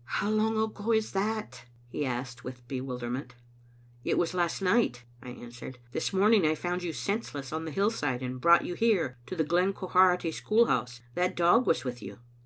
" How long ago is that?" he asked, with bewilder ment. "It was last night," I answered. "This morning I found you senseless on the hillside, and brought you here, to the Glen Quharity school house. That dog was with you."